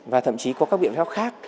và thậm chí có các biện pháp khác